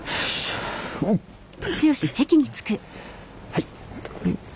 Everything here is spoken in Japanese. はい。